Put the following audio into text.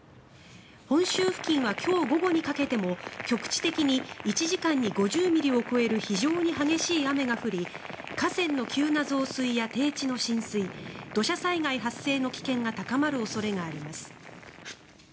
本州付近は今日午後にかけても局地的に１時間に５０ミリを超える非常に激しい雨が降り河川の急な増水や低地の浸水土砂災害発生などの危険が高まる恐れがあります。